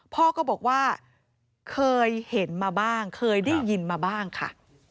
พ่อก็บอกว่าเคยเห็นมาบ้างเคยได้ยินมาบ้างค่ะ